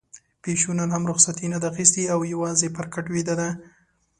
پيشو نن هم رخصتي نه ده اخیستې او يوازې پر کټ ويده ده.